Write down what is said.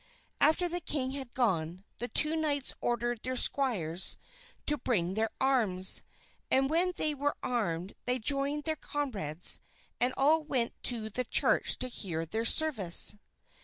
After the king had gone, the two knights ordered their squires to bring their arms, and when they were armed they joined their comrades and all went to the church to hear their service.